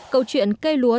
câu chuyện cây lúa